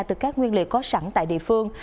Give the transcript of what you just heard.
từ các nguyên liệu có sẵn tại địa phương